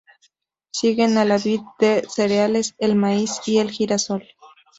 Siguen a la vid los cereales, el maíz y el girasol.